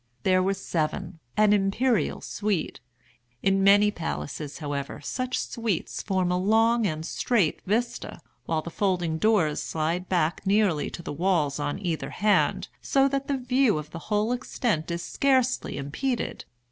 There were seven—an imperial suite. In many palaces, however, such suites form a long and straight vista, while the folding doors slide back nearly to the walls on either hand, so that the view of the whole extent is scarcely impeded.